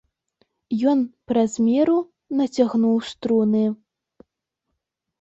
Ён праз меру нацягнуў струны.